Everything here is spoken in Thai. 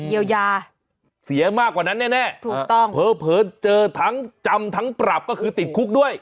เยียวยาเสียมากกว่านั้นแน่ถูกต้องเผลอเจอทั้งจำทั้งปรับก็คือติดคุกด้วย